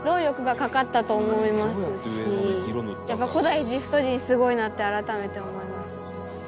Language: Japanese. やっぱ古代エジプト人すごいなって改めて思います。